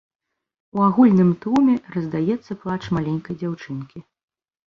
У агульным тлуме раздаецца плач маленькай дзяўчынкі.